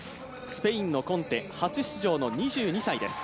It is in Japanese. スペインのコンテ、初出場の２２歳です。